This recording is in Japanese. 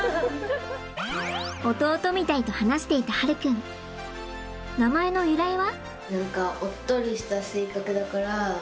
弟みたいと話していた葉琉君名前の由来は？